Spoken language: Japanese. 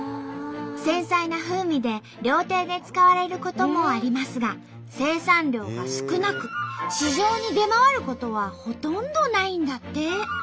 繊細な風味で料亭で使われることもありますが生産量が少なく市場に出回ることはほとんどないんだって。